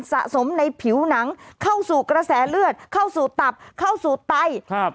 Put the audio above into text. สะสมในผิวหนังเข้าสู่กระแสเลือดเข้าสู่ตับเข้าสู่ไตครับ